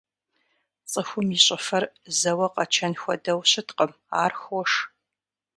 Цӏыхум и щӏыфэр зэуэ къэчэн хуэдэу щыткъым, ар хош.